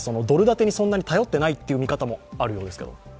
ドル建てにそんなに頼ってないという見方もあるようですが。